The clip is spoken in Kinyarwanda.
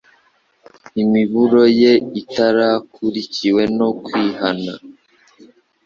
Imiburo ye itarakurikiwe no kwihana,